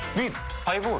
ハイボール？